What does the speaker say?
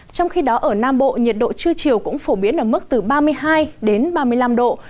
trong khi đó ở nam bộ nhiệt độ trưa chiều cũng phổ biến ở mức từ ba mươi hai đến ba mươi năm độ